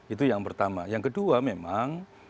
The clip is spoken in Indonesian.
itu yang pertama yang kedua memang